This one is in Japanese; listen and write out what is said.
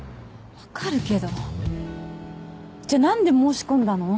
わかるけどじゃあなんで申し込んだの？